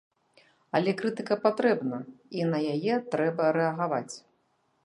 Але крытыка патрэбна, і на яе трэба рэагаваць.